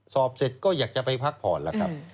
สอบเสร็จก็อยากจะไปพักผ่อนแล้วครับ